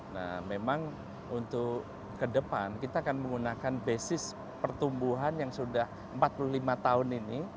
nah memang untuk ke depan kita akan menggunakan basis pertumbuhan yang sudah empat puluh lima tahun ini